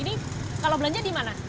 ini kalau belanja di mana